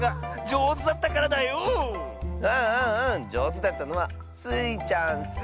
じょうずだったのはスイちゃんッス。